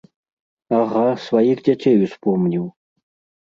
Ага, сваіх дзяцей успомніў!